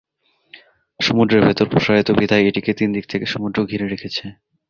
সমুদ্রের ভেতরে প্রসারিত বিধায় এটিকে তিন দিক থেকে সমুদ্র ঘিরে রেখেছে।